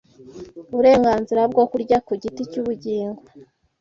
Uburenganzira bwo kurya ku giti cy’ubugingo